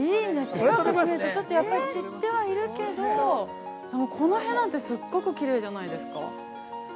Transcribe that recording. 近くで見るとやっぱり散ってはいるけどこの辺なんてすっごくきれいじゃないですか。